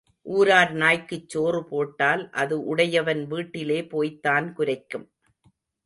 ஊரார் நாய்க்குச் சோறு போட்டால் அது உடையவன் வீட்டிலே போய்த்தான் குரைக்கும்.